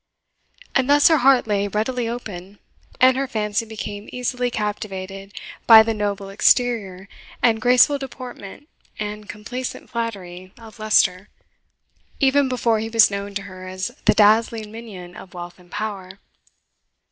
And thus her heart lay readily open, and her fancy became easily captivated by the noble exterior and graceful deportment and complacent flattery of Leicester, even before he was known to her as the dazzling minion of wealth and power.